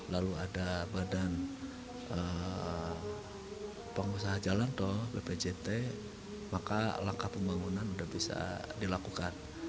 lalu ada badan pengusaha jalan tol bpjt maka langkah pembangunan sudah bisa dilakukan